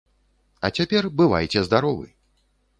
А цяпер бывайце здаровы!